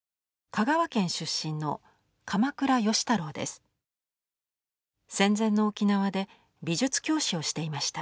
香川県出身の戦前の沖縄で美術教師をしていました。